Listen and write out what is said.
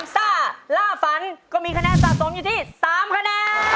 ซ่าล่าฝันก็มีคะแนนสะสมอยู่ที่๓คะแนน